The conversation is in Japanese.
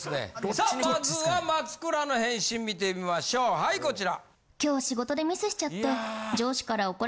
さあまずは松倉の返信見てみましょうはいこちら。